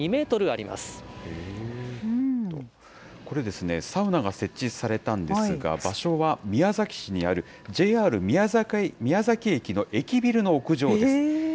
これですね、サウナが設置されたんですが、場所は宮崎市にある、ＪＲ宮崎駅の駅ビルの屋上です。